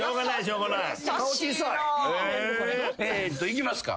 いきますか。